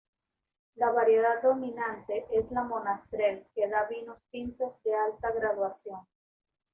La variedad dominante es la Monastrell, que da vinos tintos de alta graduación.